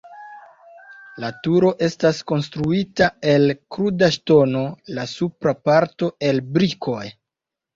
La turo estas konstruita el kruda ŝtono, la supra parto el brikoj.